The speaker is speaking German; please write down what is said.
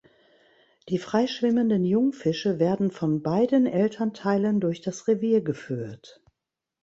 Die freischwimmenden Jungfische werden von beiden Elternteilen durch das Revier geführt.